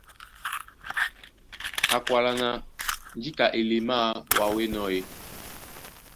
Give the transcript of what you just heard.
Á kwálá ná :Njíka elemáā wǎ ó enɔ́ ē?